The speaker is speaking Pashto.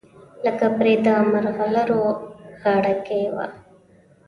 لکه پرې د مرغلرو غاړګۍ وه